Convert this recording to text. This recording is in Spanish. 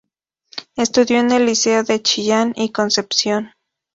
Estudió en el Liceo de Chillán y Concepción.